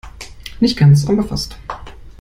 Nicht ganz, aber fast.